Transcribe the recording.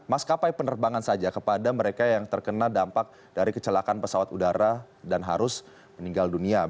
maskapai penerbangan saja kepada mereka yang terkena dampak dari kecelakaan pesawat udara dan harus meninggal dunia